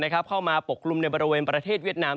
เข้ามาปกกลุ่มในบริเวณประเทศเวียดนาม